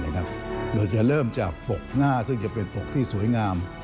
โดยจะเริ่มจากปกหน้าซึ่งจะเป็นปกที่สวยงาม